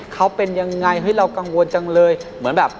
เขาเป็นยังไงเรากังวลจังเลย